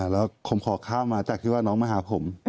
แล้วผมขอข้าวมาจากที่ว่าน้องมาหาผม